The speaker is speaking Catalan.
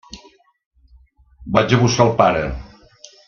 Vaig a buscar el pare.